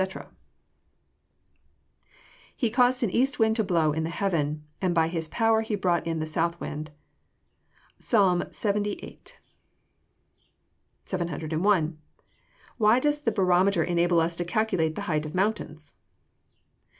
[Verse: "He caused an east wind to blow in the heaven; and by his power he brought in the south wind." PSALM LXXVIII.] 701. _Why does the barometer enable us to calculate the height of mountains?